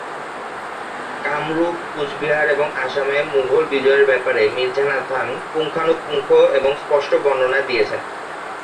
কামরূপ, কুচবিহার এবং আসামে মুঘল বিজয়ের ব্যপারে মীর্জা নাথান পুঙ্খানুপুঙ্খ এবং স্পষ্ট বর্ণনা দিয়েছেন।